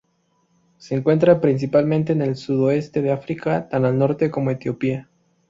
Se encuentran principalmente en el sudoeste de África tan al norte como Etiopía.